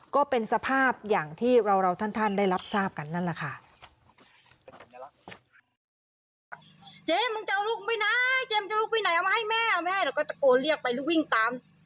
ก็เป็นสภาพอย่างที่เราท่านได้รับทราบกันนั่นแหละค่ะ